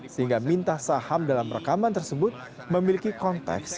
sehingga minta saham dalam rekaman tersebut memiliki konteks